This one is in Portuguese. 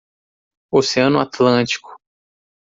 Oceano Atlântico.